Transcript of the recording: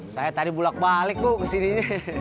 saya tadi bulak balik bu kesininya